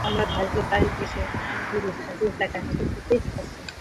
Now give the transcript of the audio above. কিন্তু মামলার ধার্য তারিখে এসে আইনজীবীকে হাজিরার টাকা ঠিকই দিতে হচ্ছে।